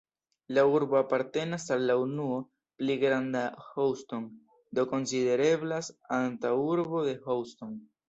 La urbo apartenas al la unuo "Pli granda Houston", do konsidereblas antaŭurbo de Houston.